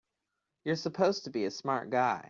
You're supposed to be a smart guy!